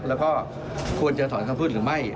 แล้วก็ควรจะถอนคำพูดหรือไม่